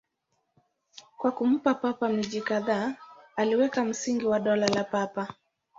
Kwa kumpa Papa miji kadhaa, aliweka msingi wa Dola la Papa.